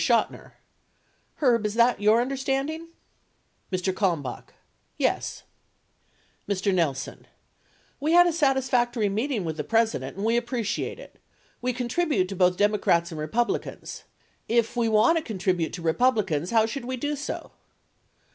Chotiner. Herb, is that your understanding ? Mr. Kalmbach. Yes. Mr. Nelson. We had a satisfactory meeting with the Presi dent and we appreciate it. We contribute to both Democrats and Republicans. If we want to contribute to Republicans, how should we do so